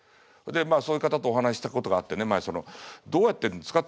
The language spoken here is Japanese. でまあそういう方とお話ししたことがあってね前その「どうやってるんですか？」